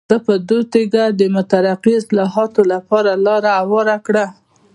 ده په دې توګه د مترقي اصلاحاتو لپاره لاره هواره کړه.